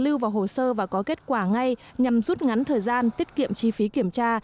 lưu vào hồ sơ và có kết quả ngay nhằm rút ngắn thời gian tiết kiệm chi phí kiểm tra